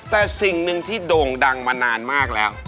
แต่สิ่งหนึ่งที่โด่งดังมานานมากแล้ว